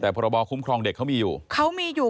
แต่พรบคุ้มครองเด็กเขามีอยู่